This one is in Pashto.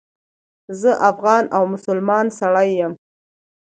زه افغان او مسلمان سړی یم.